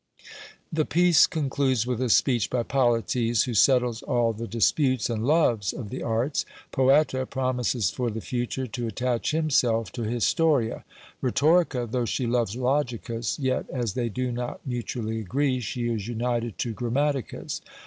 The piece concludes with a speech by Polites, who settles all the disputes and loves of the Arts. Poeta promises for the future to attach himself to Historia. Rhetorica, though she loves Logicus, yet as they do not mutually agree, she is united to Grammaticus.